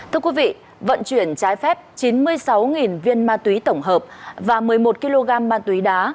thưa quý vị vận chuyển trái phép chín mươi sáu viên ma túy tổng hợp và một mươi một kg ma túy đá